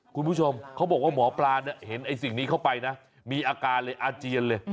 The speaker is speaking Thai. คุณผู้ชมเขาบอกว่าหมอปลาเนี่ยเห็นไอ้สิ่งนี้เข้าไปนะมีอาการเลยอาเจียนเลย